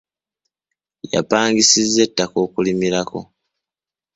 Yapangisizza ettaka okulimirako.